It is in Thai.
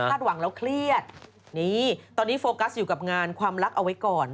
หวังแล้วเครียดนี่ตอนนี้โฟกัสอยู่กับงานความรักเอาไว้ก่อน